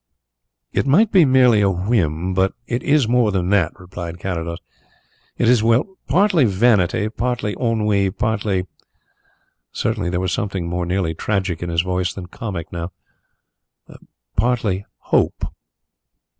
"It might be merely a whim, but it is more than that," replied Carrados. "It is, well, partly vanity, partly ennui, partly" certainly there was something more nearly tragic in his voice than comic now "partly hope."